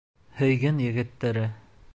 Һөйгән егеттәре.